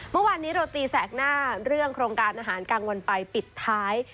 เมื่อวานนี้เราตีแสกหน้าเรื่องโครงการอาหารกลางวันไปปิดท้าย